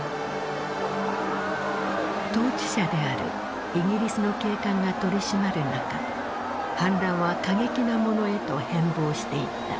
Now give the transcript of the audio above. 統治者であるイギリスの警官が取り締まる中反乱は過激なものへと変貌していった。